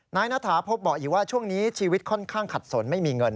ณฐาพบบอกอีกว่าช่วงนี้ชีวิตค่อนข้างขัดสนไม่มีเงิน